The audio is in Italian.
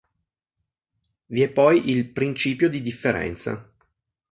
Vi è poi il "principio di differenza".